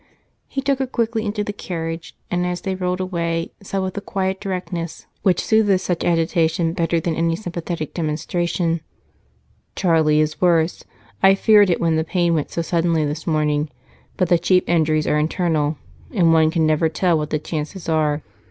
He took her quickly into the carriage and, as they rolled away, said with the quiet directness which soothes such agitation better than any sympathetic demonstration: "Charlie is worse. I feared it when the pain went so suddenly this morning, but the chief injuries are internal and one can never tell what the chances are.